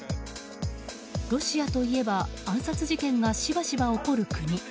ロシアといえば暗殺事件がしばしば起こる国。